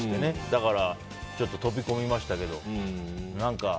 だから、ちょっと飛び込みましたけど。